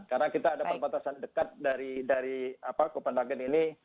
karena kita ada perbatasan dekat dari copenhagen ini